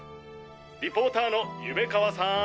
リポーターの夢川さん？